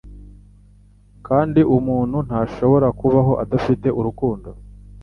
kandi umuntu ntashobora kubaho adafite urukundo